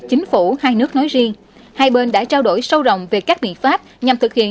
chính phủ hai nước nói riêng hai bên đã trao đổi sâu rộng về các biện pháp nhằm thực hiện